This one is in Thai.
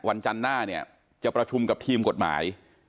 วันจันทร์หน้าเนี่ยจะประชุมกับทีมกฎหมาย